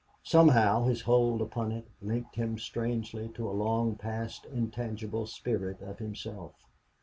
Somehow his hold upon it linked him strangely to a long past, intangible spirit of himself.